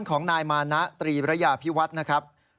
ของนายมานะตรีระยาพิวัฒน์นะครับ